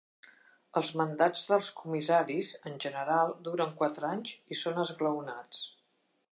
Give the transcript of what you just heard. Els mandats dels comissaris, en general, duren quatre anys i són esglaonats.